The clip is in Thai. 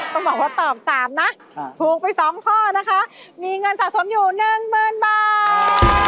ต้องบอกว่าตอบ๓นะถูกไป๒ข้อนะคะมีเงินสะสมอยู่๑๐๐๐บาท